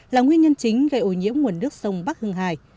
là nguyên nhân chính gây ô nhiễm nguồn nước sông bắc hưng hải